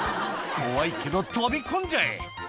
怖いけど飛び込んじゃえ。